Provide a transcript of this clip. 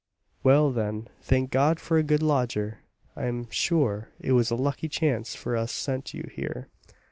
"Well, then, thank God for a good lodger! I am sure it was a lucky chance for us sent you here."